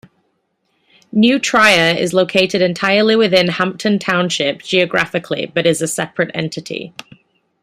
New Trier is located entirely within Hampton Township geographically but is a separate entity.